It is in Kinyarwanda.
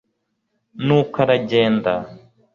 nuko aragenda